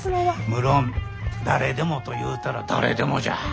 むろん「誰でも」と言うたら誰でもじゃ。